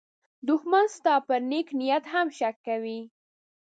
دښمن ستا پر نېک نیت هم شک کوي